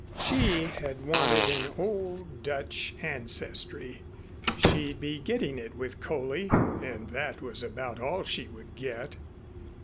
She had wanted an old Dutch ancestry. She'd be getting it with Coley and that was about all she would get.